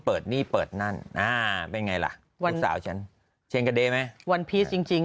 เปิดนี่เปิดนั่นเป็นไงล่ะลูกสาวฉันเชนกระเด้ไหมวันพีชจริง